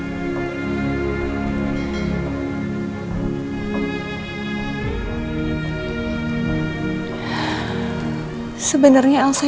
you siapkan para riset